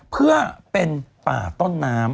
เพื่อเป็นป่าต้นน้ำ